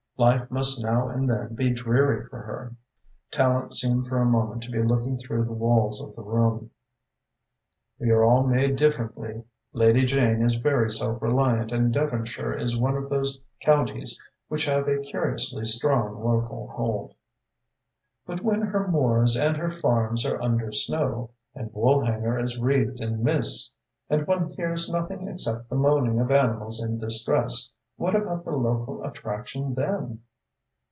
Life must now and then be dreary for her." Tallente seemed for a moment to be looking through the walls of the room. "We are all made differently. Lady Jane is very self reliant and Devonshire is one of those counties which have a curiously strong local hold." "But when her moors and her farms are under snow, and Woolhanger is wreathed in mists, and one hears nothing except the moaning of animals in distress, what about the local attraction then?"